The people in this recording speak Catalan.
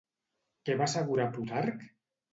Què va assegurar Plutarc?